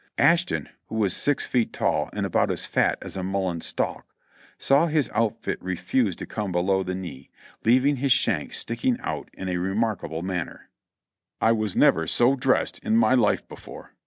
Ashton, who was six feet tall and about as fat as a mullen stalk, saw his outfit refuse to come below the knee, leaving his shanks sticking out in a re markable manner. "I was never so dressed in my life before!"